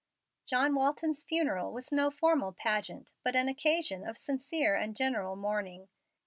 John Walton's funeral was no formal pageant, but an occasion of sincere and general mourning.